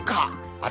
あれ？